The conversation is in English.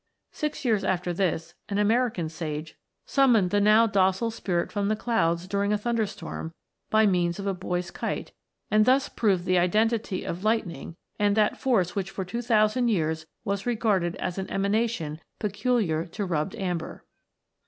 Six years after this, an American sage summoned the now docile Spirit from the clouds during a thunderstorm, by means of a boy's kite, and thus proved the identity of lightning and that force which for two thousand years was regarded as an. emanation peculiar to rubbed amber.